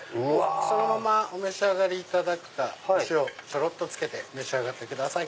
そのままお召し上がりいただくかお塩をちょろっとつけて召し上がってください。